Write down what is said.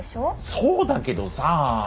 そうだけどさ。